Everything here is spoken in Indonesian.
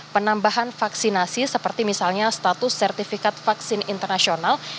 penambahan vaksinasi seperti misalnya status sertifikat vaksin internasional